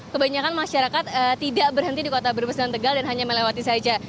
kebanyakan masyarakat tidak berhenti di kota brebes dan tegal dan hanya melewati saja